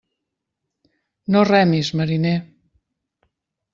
No remis, mariner.